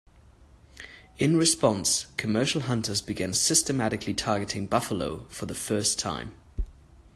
In response, commercial hunters began systematically targeting buffalo for the first time.